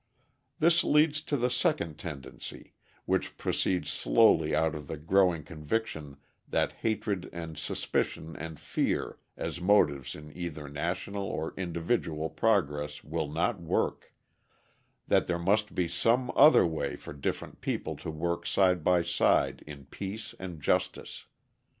This leads to the second tendency, which proceeds slowly out of the growing conviction that hatred and suspicion and fear as motives in either national or individual progress will not work; that there must be some other way for different people to work side by side in peace and justice.